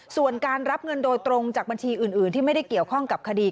ส่วนการรับเงินโดยตรงจากบัญชีอื่นที่ไม่ได้เกี่ยวข้องกับคดี